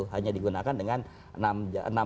hanya digunakan dengan enam hari kerja